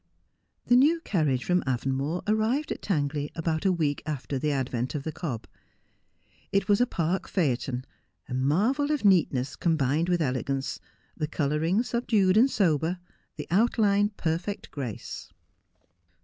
The new carriage from Avonmore arrived at Tangley about a week after the advent of the cob. It was a park phaeton, a marvel of neatness combined with elegance ; the colouring subdued and sober, the outline perfect grace.